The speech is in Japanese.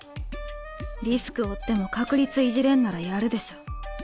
リスク負っても確率いじれんならやるでしょ。